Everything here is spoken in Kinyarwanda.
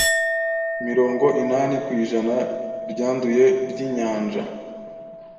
Mirongo inani kwijana ryanduye ryinyanja